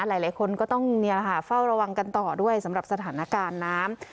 หลายคนก็ต้องเฝ้าระวังกันต่อด้วยสำหรับสถานการณ์น้ำ